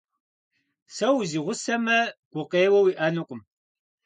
Сэ узигъусэмэ, гукъеуэ уиӏэнукъым.